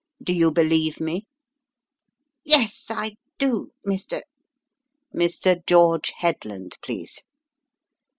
"Do you believe me?" "Yes, I do, Mr. " "Mr. George Headland, please."